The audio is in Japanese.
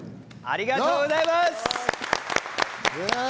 ありがとうございます！